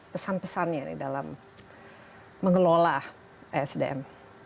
pesan pesannya dalam mengelola sdm